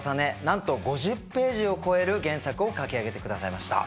なんと５０ページを超える原作を描き上げて下さいました。